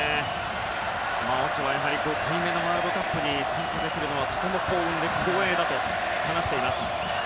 オチョアは５回目のワールドカップに参加できるのはとても幸運で光栄だと話しています。